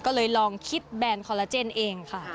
ก็เลยลองคิดแบรนด์คอลลาเจนเองค่ะ